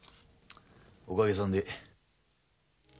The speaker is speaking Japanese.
おかげさんで。